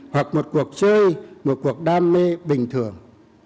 hoặc một cuộc chơi một cuộc đam mê bình thường